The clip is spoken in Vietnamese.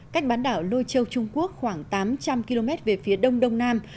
cách bán đảo lôi châu trung quốc khoảng tám trăm linh km về phía đông đông nam